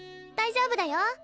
大丈夫だよ！